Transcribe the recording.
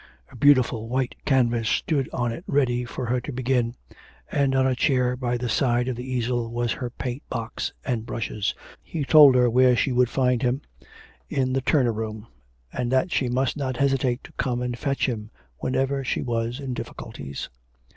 A beautiful white canvas stood on it ready for her to begin, and on a chair by the side of the easel was her paint box and brushes. He told her where she would find him, in the Turner room, and that she must not hesitate to come and fetch him whenever she was in difficulties.